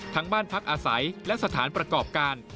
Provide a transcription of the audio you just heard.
บ้านพักอาศัยและสถานประกอบการ